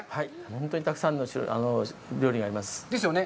本当にたくさんの種類、料理があります。ですよね？